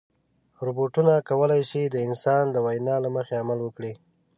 روبوټونه کولی شي د انسان د وینا له مخې عمل وکړي.